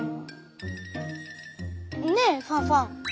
ねえファンファン。